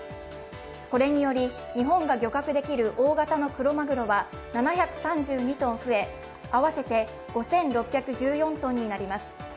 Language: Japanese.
これにより、日本が漁獲できる大型のクロマグロは７３２ｔ増え、合わせて５６１４ｔになります。